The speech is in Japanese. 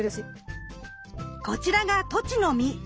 こちらがトチの実。